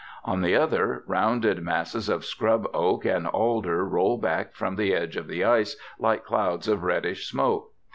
On the other, rounded masses of scrub oak and alder roll back from the edge of the ice like clouds of reddish smoke.